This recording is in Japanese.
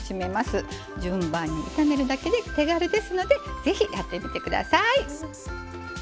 順番に炒めるだけで手軽ですのでぜひやってみてください。